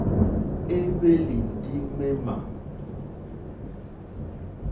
É hwélì ndí ŋmémà.